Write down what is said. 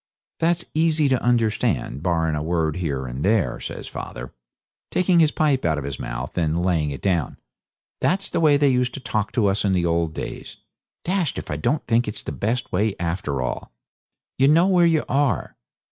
'That's easy to understand, barrin' a word here and there,' says father, taking his pipe out of his mouth and laying it down; 'that's the way they used to talk to us in the old days. Dashed if I don't think it's the best way after all. You know where you are.